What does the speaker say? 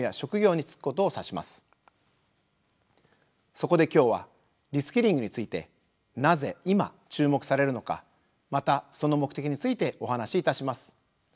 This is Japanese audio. そこで今日は「リスキリング」についてなぜ今注目されるのかまたその目的についてお話しいたします。